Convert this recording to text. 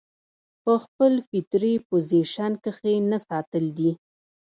پۀ خپل فطري پوزيشن کښې نۀ ساتل دي